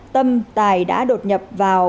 tâm tài đã đột nhập vào